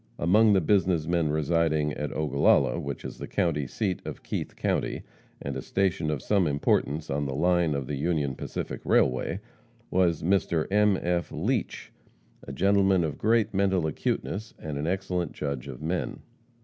Among the business men residing at Ogallala, which is the county seat of Keith county, and a station of some importance on the line of the Union Pacific railway, was Mr. M. F. Leach, a gentleman of great mental acuteness, and an excellent judge of men.